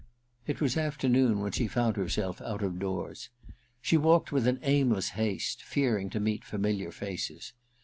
•.• It was afternoon when she found herself out of doors. She walked with an aimless haste, fearing to meet familiar faces.